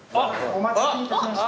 お待たせいたしました。